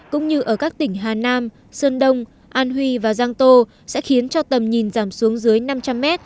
cũng như ở các tỉnh hà nam sơn đông an huy và giang tô sẽ khiến cho tầm nhìn giảm xuống dưới năm trăm linh mét